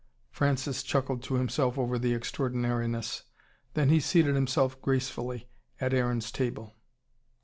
Francis chuckled to himself over the extraordinariness. Then he seated himself gracefully at Aaron's table.